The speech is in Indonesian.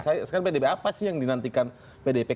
sekarang pdp apa sih yang dinantikan pdp